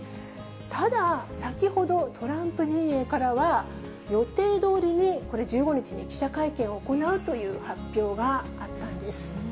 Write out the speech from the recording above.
ただ先ほど、トランプ陣営からは、予定どおりに、これ、１５日に記者会見を行うという発表があったんです。